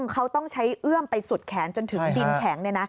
เขาต้องใช้เอื้อมไปสุดแขนจนถึงดินแข็ง